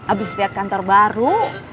abis liat kantor baru